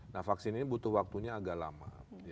nah vaksin ini butuh waktunya agak lama